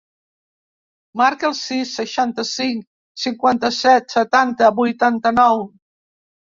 Marca el sis, seixanta-cinc, cinquanta-set, setanta, vuitanta-nou.